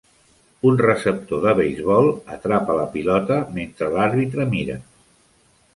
Un receptor de beisbol atrapa la pilota mentre l'àrbitre mira.